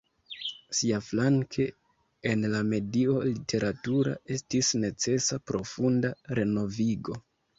Siaflanke, en la medio literatura estis necesa profunda renovigo.